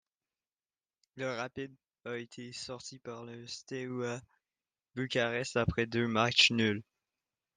Le Rapid a été sorti par le Steaua Bucarest après deux matchs nuls.